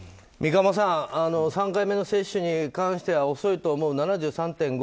三鴨さん３回目の接種に関しては遅いと思うが７３．５％。